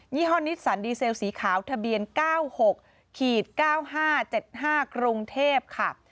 ี่ห้อนิสสันดีเซลสีขาวทะเบียน๙๖๙๕๗๕กรุงเทพค่ะ